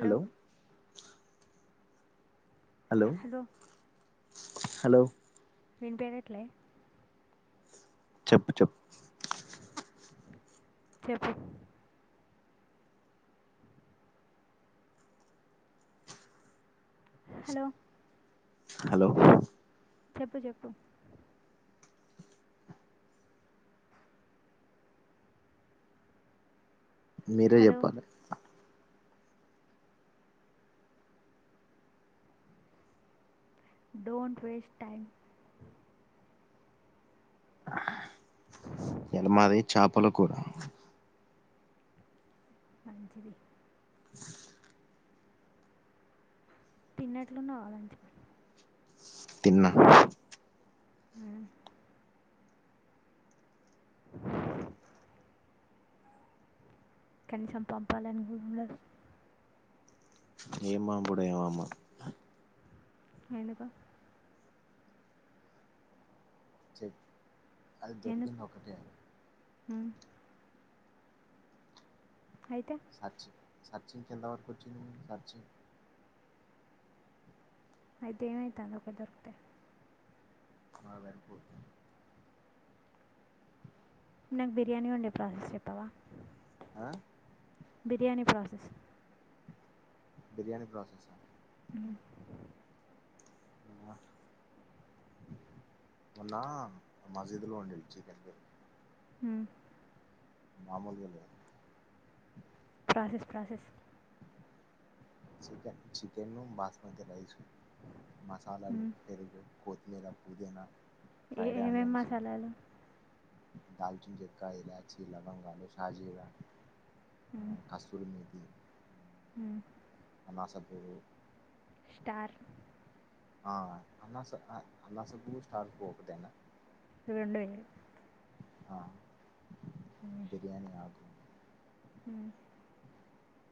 Hello hello hello వినిపిఎట్లే చెప్పు చెప్పు చెప్పు హలో హలో చెప్పు చెప్పు మీరే హలో చెప్పాలి డోంట్ వేస్ట్ టైమ్ ఇయాల మాది చాపల కూర మంచిది తిన్నట్లు ఉన్నావు లంచ్ కి తిన్నా ఉ కనీసం పంపాలని కూడా ఉండదు ఏం పంపుడో ఏమో అమ్మ ఎందుకు అది దొరికింది ఒకటే హు అయితే సర్చు సర్చు ఇంక ఎంతవరకు వచ్చింది సర్చు అయితే ఏమైతాంది ఒకటి దొరికితే మాకు సరిపోదు నాకు బిర్యానీ వండే ప్రాసెస్ చెప్పవా ఆ బిర్యానీ ప్రాసెస్ తుస్ బిర్యానీ ప్రాసెస్సా హు వా మోన్నా మజీదులో వండే వండేది చికెన్ బీర్ హు మామూలుగా లేదండి process process chicken chicken, basmati rice, మసాలాలు, మ్మ్. పెరుగు, కొత్తిమర లేద పుదీనా ఫ్రైడ్ ఏమేమేం ఆనియన్స్ మసాలాలు దాల్చిన చెక్క, ఇలాచీ, లవంగలు, షాజీర మ్మ్. ఆ కస్తూరి మేథి మ్మ్. అనాసబేరు స్టార్ ఆ అనాస అనాసపువ్వు స్టార్ పువ్వు ఒకటేనా రెండు వేరే ఆ బిర్యానీ ఆకు హు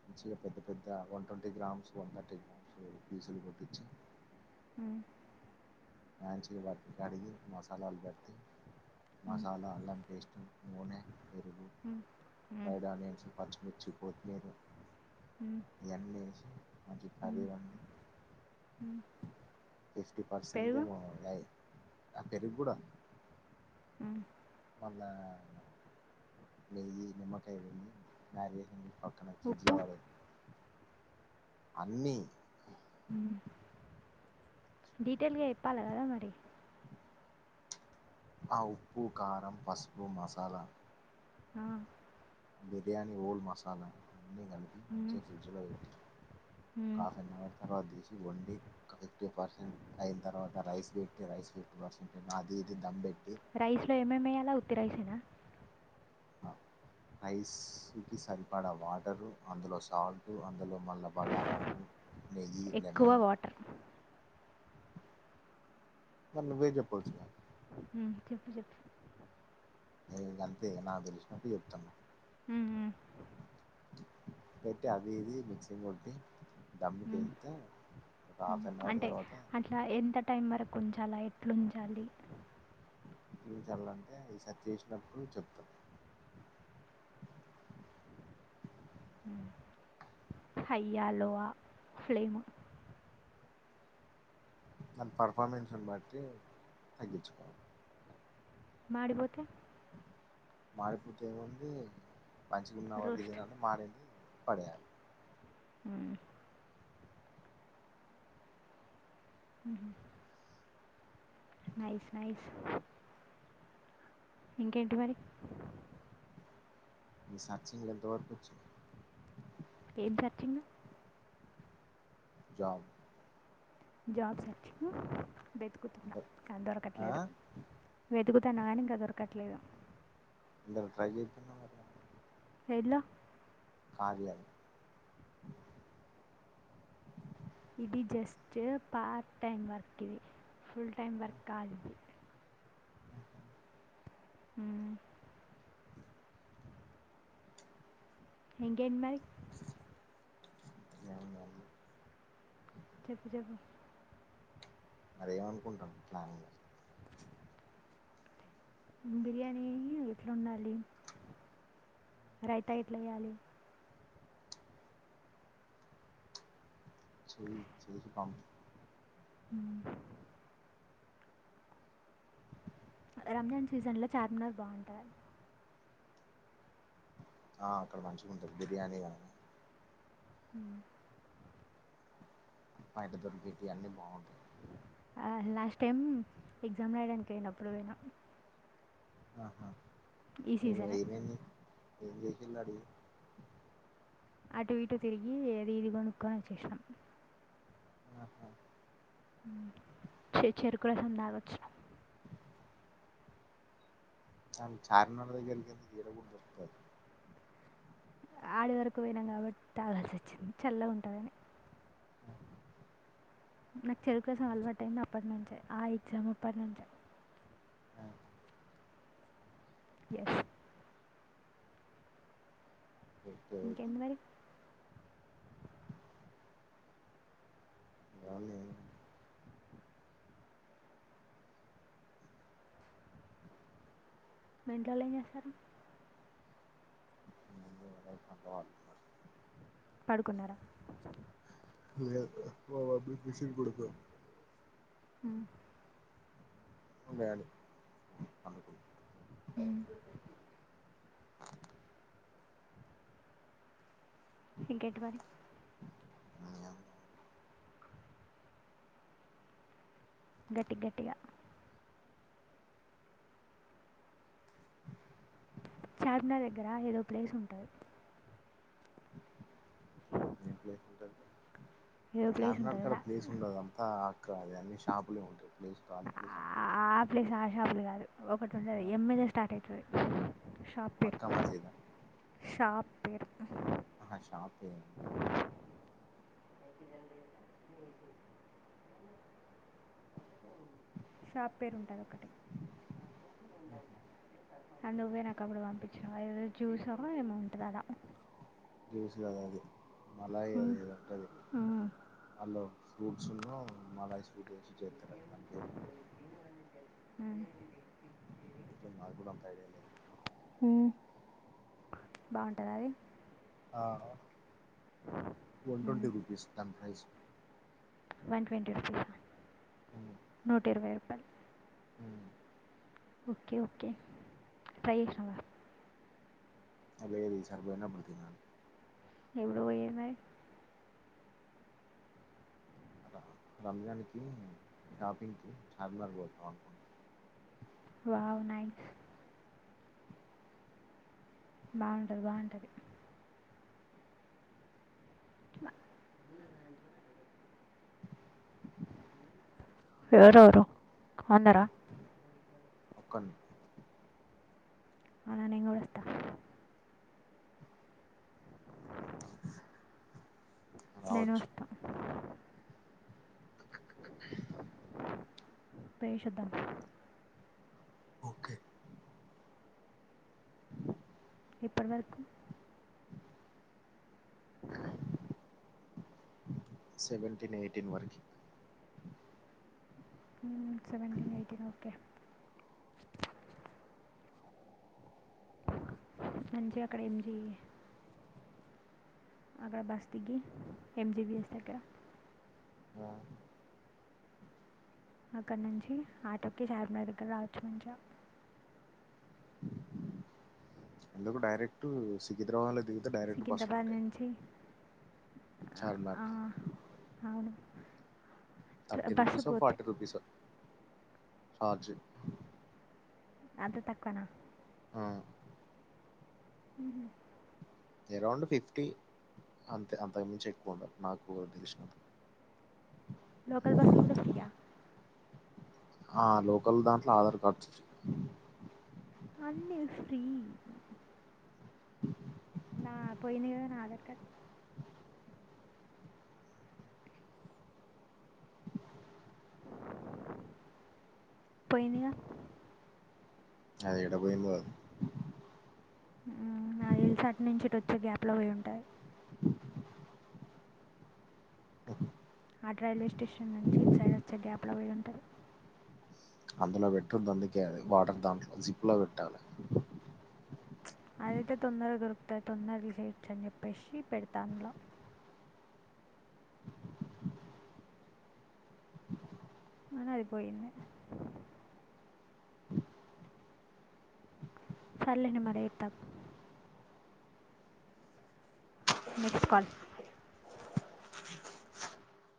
మంచిగా పెద్ద పెద్ద one twenty grams one thirty grams ఫీసులు కొట్టించి మ్మ్. మంచిగా వాటిని కడిగి మసాలాలు పట్టి మ్మ్. మసాలా అల్లం పేస్ట్ నూనె, పెరుగు, మ్మ్. మ్మ్. ఫ్రైడ్ ఆనియన్స్, పచ్చిమిర్చి, కొత్తిమీర మ్మ్, ఇవన్నీ వేసి మంచిగా మ్మ్, కర్రీ వండి మ్మ్. ఫిఫ్టీ పర్సెంట్ పెరుగు ఏమో ఆయ్ ఆ పెరుగు కూడా హు మళ్ళా నెయ్యి నిమ్మకాయ మ్యారిగేషన్ చేసి పక్కనే ఫ్రిడ్జ్ ఉప్పు లో పాడేయ్ అన్నీ హు డీటెల్గా చెప్పాలా కదా మరి ఆ ఉప్పు కారం పసుపు మసాలా ఆ బిర్యాణి హఓల్ మసాలా అన్నీ కలిపి మ్మ్, మంచి ఫ్రిడ్జల పేట్టి ఒక మ్మ్. హాఫ్ నవర్ తర్వాత తీసి వండి ఒక ఫిఫ్టీ పర్సెంట్ అయిన తర్వాత రైస్ పెట్టి రైస్ ఫిప్టి పర్సెంట్ అయినాక అది ఇది దమ్ పెట్టి రైస్ లో ఏమేమి ఎయ్యాల ఉత్తి రైసేనా రైస్ కి సరిపడ వాటరు అందులో సాల్ట్ అందులో మళ్ళా బగారాకు నెయ్యి ఎక్కువ లెమను వాటర్ మ వేజప్పచగా చెప్పు చెప్పు న అంతే నాకు తెలిసినట్టు చెప్తాను అ పెట్టి అదిది మిక్సంగ్ పట్టి అన్ అవర్ అంటే తర్వాత అట్లా ఎంత టైం వరకు కొంచెం అల ఎట్లుంచాలి ఏం చల్లంటే అవి సత చేసినప్పుడు చెప్తాం హైయా లో ఫ్లేమ్ దాని పర్ఫార్మెన్స్ బట్టి తగ్గించుకోవాలి మాడిపోతే మాడి పోతే ఏముంది మంచికున్న వరకు రోస్ట్ తిన్నండి మాడింది పడయాల హ అ నైస్ నైస్ ఇంకేంటి మరి ఈ సచింగ్ దచ ఏం సర్చ్చింది జాం జాబ్ సచ్చ వెతుకుతున్నా అంటే అది దొరకట్లేదు వెతుకుతున్నా కానీ ఇంకా దొరకట్లేదు ఇలో ట్రై చే వర్లే వెళ కార్య లో ఇది జస్ట్ పార్ట్ టైమ్ వర్క్ ఇది ఫుల్ టైమ్ వర్క్ కాదు ఇది అ ఇంకెంటి మరి ఏముందండి చెప్పు చెప్పు మరేమనుకుంటాం ప్లాన్గా బిర్యానీ ఎట్లా ఉండాలి రైతా ఎట్లాయ్యాలి సే సే బం అ రంజాన్ సీజన్ లో చార్మినార్ బాగుంటారు ఆ అక్కడ మంచిగా ఉంటుది బిర్యానీ గాని హ బయట దొరి పెట్ అన్ని బాగుంటాయి ఆ లాస్ట్ టైమ్ ఎగ్జామ్ రాయడానికి అయినప్పుడు పోనా ఆహా ఏ సీజనే ఏయి ఏం చేస అడిగి అటు ఇటు తిరిగి ఏది అది కొనుక్కొని వచ్చేష్టాం ఆహా మ్ చెరుకు రసం తాగొచ్చు అ చార్ మినార్ దగ్గరకెందుకు ఈడ కూడ దొరుకుతాది ఆడి వరకు పోయినాం కాబట్టి తాగాల్సి వచ్చింది చల్ల ఉంటదని నాకు చెరుకు రసం అలవాటయింది అప్పటి నుంచే ఆ ఎగ్జామ్ అప్పటి నుంచే ఎస్ ఇంక ఏంది మరి ఎ [unintelligible] మీ ఇంట్లో వాళ్ళు ఏం చేస్తరు వాడతనారు పడుకున్నారా లేదు మా మమ్మీ మిషన్ కుడతుంది మ్ డాడీ పండుకున్నాడు మ్ ఇంకేటిమరి గట్టి గట్టిగా చార్మినార్ దగ్గర ఏదో ప్లేస్ ఉంటది ప్లేస్ ఉంటది ఏదో ప్లేస్ చార్మినార్ ఉంటుంది కడ లా ప్లేస్ ఉండదు అంతా ఆక్ర అది అన్ని షాపులే ఉంటాయి ప్లేస్ ఖాళీ ప్లేస్ అంటు ఆ ప్లేస్ ఆ షాపులు కాదు ఒకటి ఉండది ఎమ్ మీద స్టార్ట్ అయితది షాప్ మక్కా మసీదా పేరుషాప్ ఆ షాప్ పేర షాప్ పేరు ఉంటాది ఒక్కటే అది నువ్వేనాకు అప్పుడు పంపిచినవ్ అది ఏదో జ్యూసో ఏమో ఉంటది అడ జ్యూస్ కాదు అది మలాయి అది ఉమ్, ఏదో ఉంటది మ్మ్. హలో ఫ్రూట్సును మలాయి స్వీట్ ఏసి చేస్తరు దాని పేరు మ్ అయితే నాగ్గూడా అంత ఐడియా లేదు బావుంటదా అది ఆ వన్ ట్వంటీ రుపీస్ దాన్ ప్రైస్ వన్ ట్వంటీ రూపీసా నూట ఇరవై రూపాయల్ ఓకే ఓకే ట్రై చేసినావా అదే కద ఈ సారి పోయినపుడు తిన్నాను ఎపుడు పొయ్యెది మరి రంజాన్ కి షాపింగ్ కి చార్మినార్ పోయొద్దాం అనుకుంటనం వావ్ నైస్ బావుంటది బావుంటది ఎవరెవరు కొన్నారా కొన్నాం అవునా నేం గూడా వస్తా నేనూ రావచ్చు వస్తా పోయేషివద్దాం ఓకె ఎప్పటి వరకు సెవెటీన్ ఎయిటీన్ వర్కి సెవెంటీన్ ఎయిటీన్ ఓకె అంజి అక్కడ ఏం చేయ అదే బస్ దిగి ఎమ్ జివిఎస్ దగ్గర అక్కడ నుంచి ఆటోకి చార్మినర్ దగ్గర రావచ్చు మంచిగా ఎందుకు డైరెక్ట్ సికింద్రాబాద్ లో దిగితే డైరెక్ట్ బస్సు లో సికింద్రాబాద్ ఉంటాయి ఇంకా నుంచి చార్మి నార్కి అవును థర్టీ బస్సుకు రుపీసో పోతే ఫార్టీ రుపీసో చార్జ్ అంత తక్కువనా ఆ ఉహూ అరౌండ్ ఫిఫ్టీ అంత అంతకుమించి ఎక్కువ ఉండదు నాకు ఊహ తెలిసినంత లోకల్ బసులు గుడా ఫ్రీయా ఆ లోకల్ దాంట్లో ఆధార్ కార్డ్ అన్నీ ఫ్రీ నా పోయింది ఆధార్ కార్డు పోయిందిగా అదే ఎడ పోయిఏందో [unintelligible] ఉంటాయి ఓహ [inaudible] ఆటు రైల్వే స్టేషన్ నుంచి ఇటు సైడ్ వచ్చే గ్యాప్లో పోయి ఉంటంది అందులో పెట్టరు అందుకేయాలి వాటర్ దాంట్లో జిప్ లో పెట్టాలి కొత్త తొందరలు చేయచ్చు అని చెప్పేసి పెడతానులా ఐన అయిపోయింది సర్లే మల్ల చేస్తా ఆగు నెక్స్ట్ కాల్